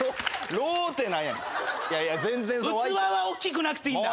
器はおっきくなくていいんだ。